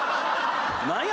何や？